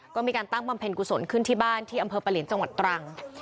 ก็มีการตั้งบำเพ็ญกุศลขึ้นที่บ้านที่อำเภอปะเหลียนจังหวัดตรัง